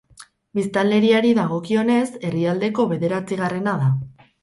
Biztanleriari dagokionez, herrialdeko bederatzigarrena da.